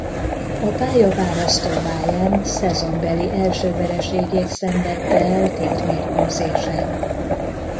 A pályaválasztó Bayern szezonbeli első vereségét szenvedte el tétmérkőzésen.